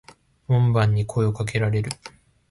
門番に声を掛けられる。